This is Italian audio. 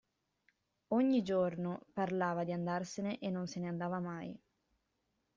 Ogni giorno parlava di andarsene e non se ne andava mai.